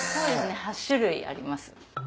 ８種類あります。